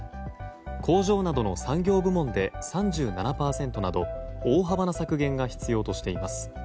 工場などの産業部門で３７％など大幅な削減が必要としています。